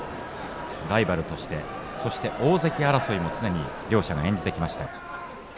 ライバルとしてそして大関争いも常に両者が演じてきました。